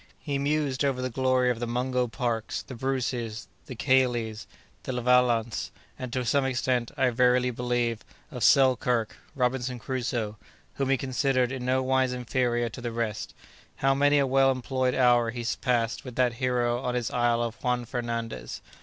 He mused over the glory of the Mungo Parks, the Bruces, the Caillies, the Levaillants, and to some extent, I verily believe, of Selkirk (Robinson Crusoe), whom he considered in no wise inferior to the rest. How many a well employed hour he passed with that hero on his isle of Juan Fernandez!